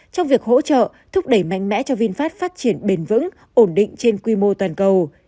trong việc hỗ trợ thúc đẩy mạnh mẽ cho vinfast phát triển bền vững ổn định trên quy mô toàn cầu